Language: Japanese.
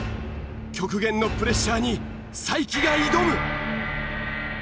極限のプレッシャーに才木が挑む。